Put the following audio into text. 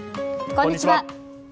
こんにちは。